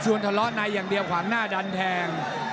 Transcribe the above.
ส่วนทะเลาะในอย่างเดียวขวางหน้าดันแทง